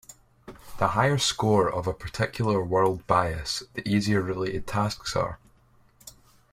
The higher score of a particular world bias, the easier related tasks are.